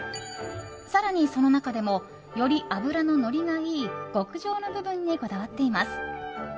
更に、その中でもより脂ののりがいい極上の部分にこだわっています。